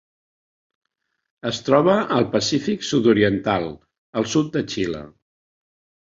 Es troba al Pacífic sud-oriental: el sud de Xile.